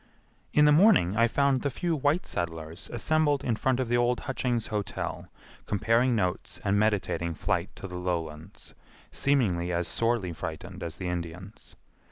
In the morning I found the few white settlers assembled in front of the old Hutchings Hotel comparing notes and meditating flight to the lowlands, seemingly as sorely frightened as the Indians.